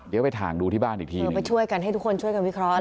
เดี๋ยวไปถ่างดูที่บ้านอีกทีเดี๋ยวไปช่วยกันให้ทุกคนช่วยกันวิเคราะห์